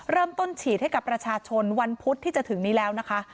เริ่มต้นฉีดให้กับประชาชนวันพุธที่จะถึงนี้แล้วนะคะ